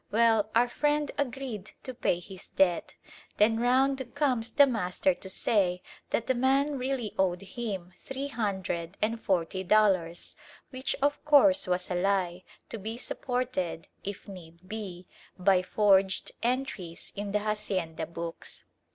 Well, our friend agreed to pay his debt. Then round comes the master to say that the man really owed him three hundred and forty dollars which of course was a lie, to be supported, if need be, by forged entries in the hacienda books.